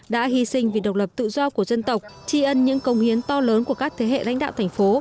đã hy sinh vì độc lập tự do của dân tộc tri ân những công hiến to lớn của các thế hệ lãnh đạo thành phố